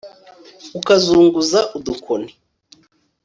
ukazunguza udukoni